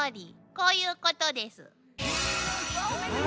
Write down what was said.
こういうことです。